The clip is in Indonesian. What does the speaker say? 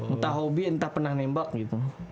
entah hobi entah pernah nembak gitu